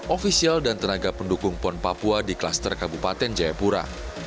ofisial dan tenaga pendukung pon papua di kluster kabupaten jayapura